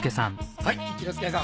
はい一之輔さん